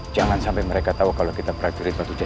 jangan sampai mereka tahu kalau kita berakhiri batu jajar